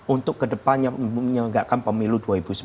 untuk kedepannya menyelenggakkan pemilu dua ribu sembilan belas